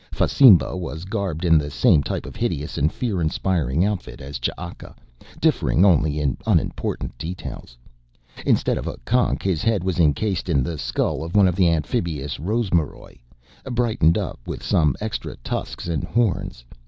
Fasimba was garbed in the same type of hideous and fear inspiring outfit as Ch'aka, differing only in unimportant details. Instead of a conch, his head was encased in the skull of one of the amphibious rosmaroj, brightened up with some extra tusks and horns.